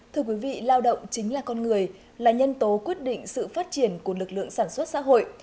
thưa quý vị lao động chính là con người là nhân tố quyết định sự phát triển của lực lượng sản xuất xã hội